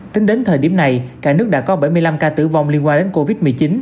tính đến thời điểm này cả nước đã có bảy mươi năm ca tử vong liên quan đến covid một mươi chín